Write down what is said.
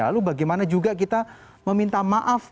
lalu bagaimana juga kita meminta maaf